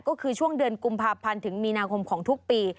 ก็คือช่วงเดือนกุมภาพันธ์ถึงมีนาคมของทุกปี